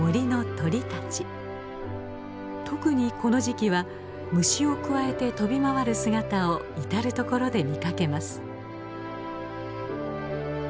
特にこの時期は虫をくわえて飛び回る姿を至る所で見かけます。